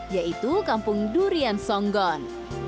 yaitu kampung durian songgon